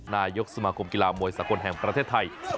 นายกสมาคมกีฬามวยสากลแห่งประเทศไทย